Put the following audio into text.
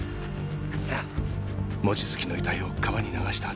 望月の遺体を川に流した